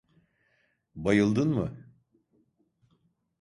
Bayıldın mı?